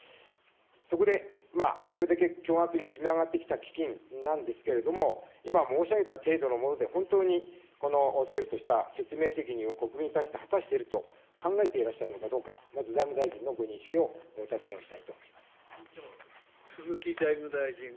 そこでこれで巨額に積み上がってきた基金なんですけれども、今、申し上げた程度のもので、本当にこの政府としては説明責任を国民に対して果たしていると考えていらっしゃるのかどうか、まず財務大臣のご認識をお尋ねをしたいと思います。